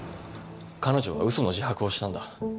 彼女は嘘の自白をしたんだ。